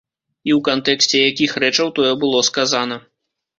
І ў кантэксце якіх рэчаў тое было сказана.